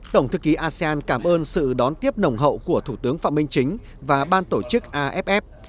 tổng thư ký asean cảm ơn sự đón tiếp nồng hậu của thủ tướng phạm minh chính và ban tổ chức aff